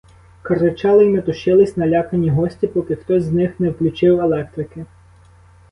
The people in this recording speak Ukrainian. Кричали й метушились налякані гості, поки хтось з них не включив електрики.